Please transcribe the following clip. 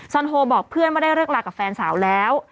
อนโฮบอกเพื่อนว่าได้เลิกลากับแฟนสาวแล้ว